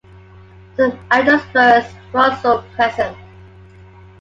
Some angiosperms were also present.